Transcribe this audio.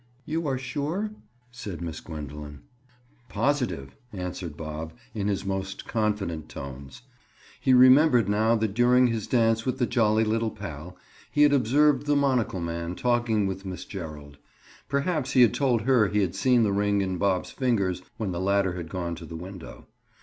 "You are sure?" said Miss Gwendoline. "Positive," answered Bob in his most confident tones. He remembered now that during his dance with the jolly little pal he had observed the monocle man talking with Miss Gerald. Perhaps he had told her he had seen the ring in Bob's fingers when the latter had gone to the window.